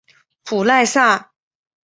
普赖萨。